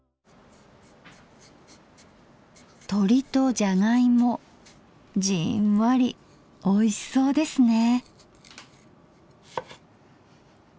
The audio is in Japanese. とりとじゃがいもじんわりおいしそうですね。